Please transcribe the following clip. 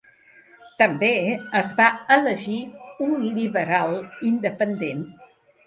També es va elegir un liberal independent.